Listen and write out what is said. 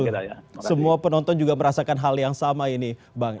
nah semua penonton juga merasakan hal yang sama ini bang